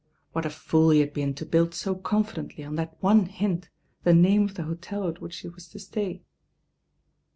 What a foofhe had been to build so confidently on that one h nt the name of the hotel at which she wa, to stay.